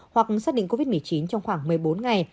hoặc xác định covid một mươi chín trong khoảng một mươi bốn ngày